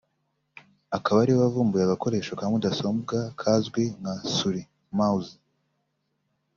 akaba ariwe wavumbuye agakoresho ka mudasobwa kazwi nka Souris (mouse)